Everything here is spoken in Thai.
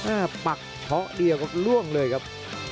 ปักเฉพาะเดียวครับล่วงเลยครับ